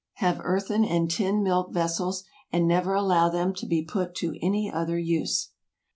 Have earthen and tin milk vessels, and never allow them to be put to any other use.